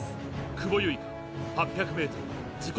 久保結花８００ｍ自己